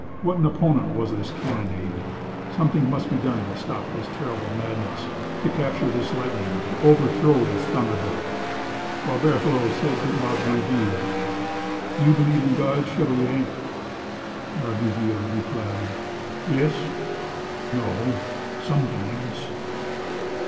What an opponent was this carronade! Something must be done to stop this terrible madness—to capture this lightning—to overthrow this thunderbolt. Boisberthelot said to La Vieuville,— "Do you believe in God, chevalier?" La Vieuville replied: "Yes—no. Sometimes."